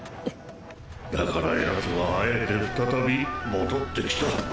だからヤツはあえて再び戻ってきた。